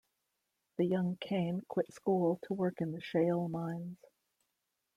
The young Kane quit school to work in the shale mines.